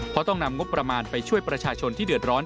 เพราะต้องนำงบประมาณไปช่วยประชาชนที่เดือดร้อน